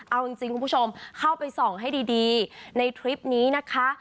เอาจริงคุณผู้ชมเข้าไปส่องให้ดีในทริปนี้นะคะ